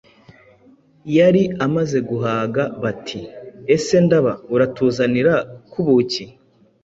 yari amaze guhaga, bati :”ese Ndaba uratuzanira ku buki